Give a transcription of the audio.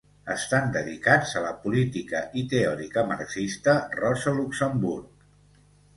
Estan dedicats a la política i teòrica marxista Rosa Luxemburg.